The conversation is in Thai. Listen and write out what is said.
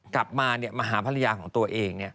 กลับมามาหาภรรยาของตัวเอง